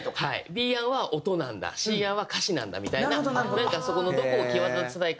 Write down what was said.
Ｂ案は音なんだＣ案は歌詞なんだみたいななんかそこのどこを際立たせたいかを。